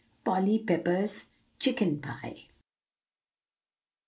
POLLY PEPPER'S CHICKEN PIE.